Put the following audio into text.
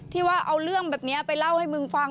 ที่ว่าเอาเรื่องแบบนี้ไปเล่าให้มึงฟัง